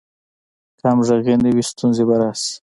که همغږي نه وي، ستونزې به راشي.